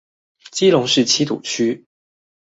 基隆市七堵區